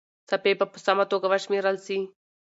څپې به په سمه توګه وشمېرل سي.